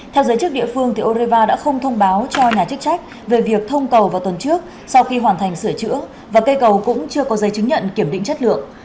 theo giới chức địa phương oreva đã không thông báo cho nhà chức trách về việc thông cầu vào tuần trước sau khi hoàn thành sửa chữa và cây cầu cũng chưa có giấy chứng nhận kiểm định chất lượng